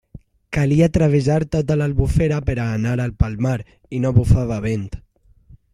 Calia travessar tota l'Albufera per a anar al Palmar, i no bufava vent.